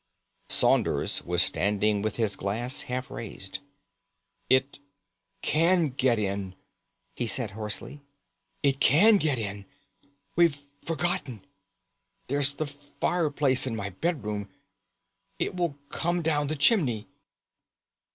Saunders was standing with his glass half raised. "It can get in," he said hoarsely; "it can get in! We've forgotten. There's the fireplace in my bedroom. It will come down the chimney."